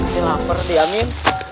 dia lapar diamin